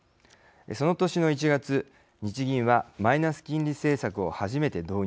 その年の１月、日銀はマイナス金利政策を初めて導入。